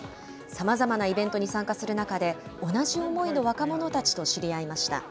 さまざまなイベントに参加する中で、同じ思いの若者たちと知り合いました。